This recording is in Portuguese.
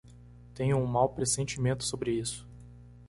Tenho um mau pressentimento sobre isso!